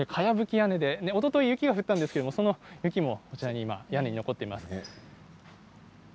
屋根でおととい雪が降ったんですがその雪も屋根に残っています。